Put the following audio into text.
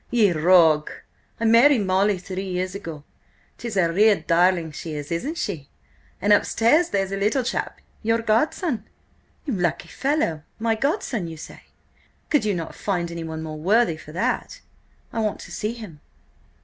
"Ye rogue! I married Molly three years ago. 'Tis a real darling she is, isn't she? And upstairs there's a little chap–your godson." "You lucky fellow! My godson, you say? Could you not find anyone more worthy for that? I want to see him."